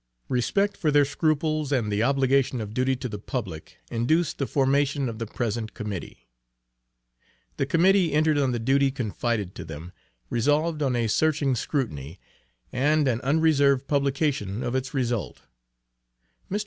Respect for their scruples and the obligation of duty to the public induced the formation of the present Committee. The Committee entered on the duty confided to them, resolved on a searching scrutiny, and an unreserved publication of its result. Mr.